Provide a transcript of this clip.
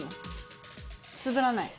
つぶらない？